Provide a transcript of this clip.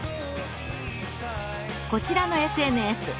こちらのＳＮＳ。